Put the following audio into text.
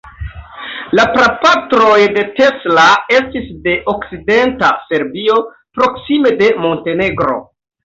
La prapatroj de Tesla estis de okcidenta Serbio, proksime de Montenegro.